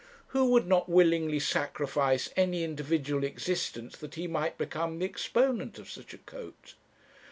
Who would not willingly sacrifice any individual existence that he might become the exponent of such a coat?